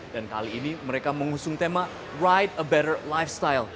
dan kali ini mereka mengusung tema ride a better lifestyle